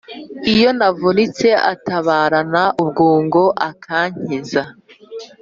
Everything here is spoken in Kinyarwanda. iyo navunitse atabarana ubwungo akankiza